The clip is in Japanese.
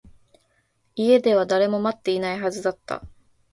家では誰も待っていないはずだった